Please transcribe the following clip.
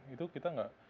itu kita enggak